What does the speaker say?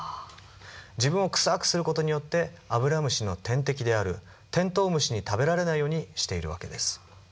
自分を臭くする事によってアブラムシの天敵であるテントウムシに食べられないようにしている訳です。